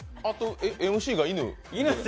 ＭＣが犬？